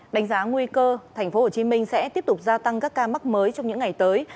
đánh giá nguy cơ thành phố hồ chí minh sẽ tiếp tục gia tăng các ca mắc mới trong những ngày tới